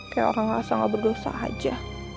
kayak orang rasa gak berdosa aja